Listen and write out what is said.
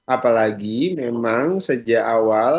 apalagi memang sejak awal